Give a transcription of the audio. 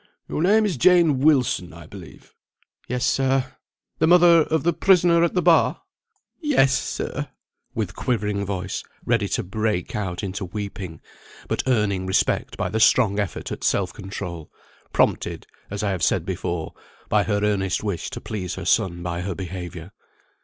"Your name is Jane Wilson, I believe." "Yes, sir." "The mother of the prisoner at the bar?" "Yes, sir;" with quivering voice, ready to break out into weeping, but earning respect by the strong effort at self control, prompted, as I have said before, by her earnest wish to please her son by her behaviour.